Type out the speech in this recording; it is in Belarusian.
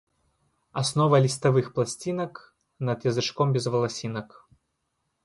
Аснова ліставых пласцінак над язычком без валасінак.